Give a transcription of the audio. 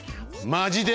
マジで？